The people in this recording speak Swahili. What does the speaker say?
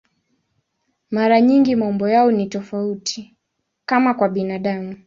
Mara nyingi maumbo yao ni tofauti, kama kwa binadamu.